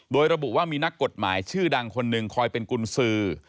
โดยระบุว่ามีนักกฎหมายชื่อดังคนหนึ่งคอยเป็นกุญสือ